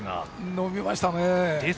伸びましたね。